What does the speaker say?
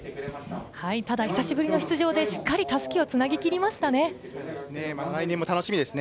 久しぶりの出場でしっかり襷をつなぎきりましたよね。